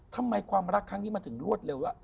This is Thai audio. ทำไมความรักครั้งนี้มันถึงรวดเร็ว